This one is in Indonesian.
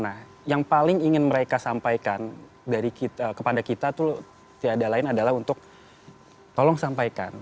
nah yang paling ingin mereka sampaikan kepada kita tuh tiada lain adalah untuk tolong sampaikan